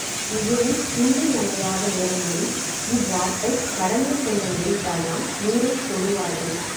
மிகவும் இன்றியமையாத நேரங்களில் இவ்வாற்றைக் கடந்து செல்ல நேரிட்டால்தான் நீரைத் தொடுவார்கள்.